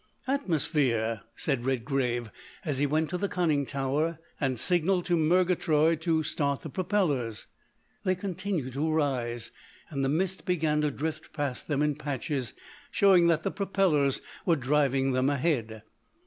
"Atmosphere!" said Redgrave, as he went to the conning tower and signalled to Murgatroyd to start the propellers. They continued to rise and the mist began to drift past them in patches, showing that the propellers were driving them ahead.